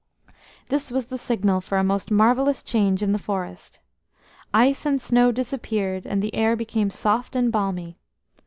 This was the signal for a most marvellous change in the forest. Ice and snow disappeared, and the air became soft and balmy.